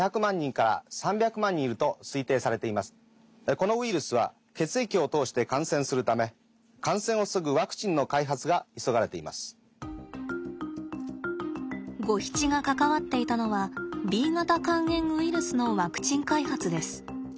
このウイルスは血液を通して感染するためゴヒチが関わっていたのはＢ型肝炎ウイルスのワクチン開発です。